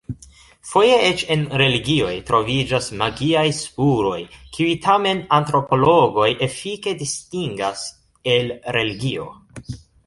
Foje eĉ en religioj troviĝas magiaj spuroj, kiuj tamen antropologoj efike distingas el religio.